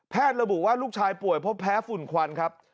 ระบุว่าลูกชายป่วยเพราะแพ้ฝุ่นควันครับ